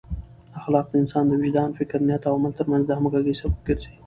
اخلاق د انسان د وجدان، فکر، نیت او عمل ترمنځ د همغږۍ سبب ګرځي.